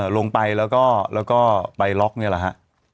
ลงไปแล้วก็ไปล็อกนี่แหละฮะ